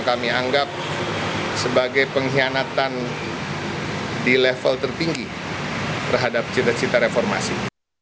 kami anggap sebagai pengkhianatan di level tertinggi terhadap cita cita reformasi